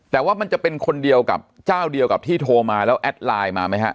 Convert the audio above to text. แต่ว่ามันจะเป็นคนเดียวกับเจ้าเดียวกับที่โทรมาแล้วแอดไลน์มาไหมฮะ